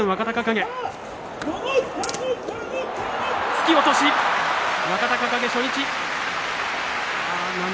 突き落とし、若隆景初日。